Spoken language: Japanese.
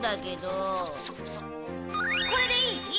これでいい？